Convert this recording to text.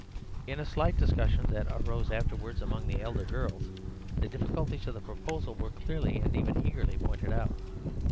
In a slight discussion that arose afterwards among the elder girls the difficulties of the proposal were clearly, and even eagerly, pointed out.